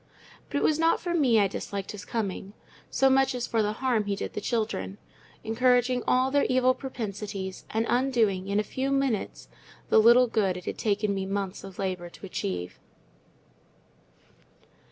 But it was not for that I disliked his coming, so much as for the harm he did the children—encouraging all their evil propensities, and undoing in a few minutes the little good it had taken me months of labour to achieve.